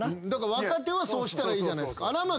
若手はそうしたらいいじゃないですか。